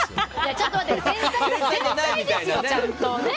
ちょっと待って繊細ですよ、ちゃんと！